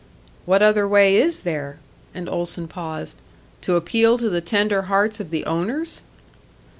"What other way is there?" And Olson paused. "To appeal to the tender hearts of the owners?"